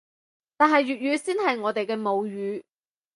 但係粵語先係我哋嘅母語